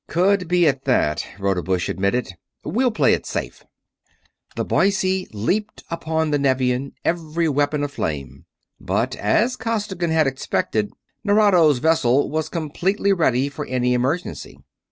"Could be, at that," Rodebush admitted. "We'll play it safe." The Boise leaped upon the Nevian, every weapon aflame. But, as Costigan had expected, Nerado's vessel was completely ready for any emergency.